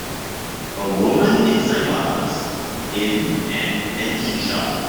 A woman in sunglasses in an antique shop.